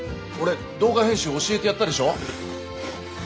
俺動画編集教えてやったでしょ？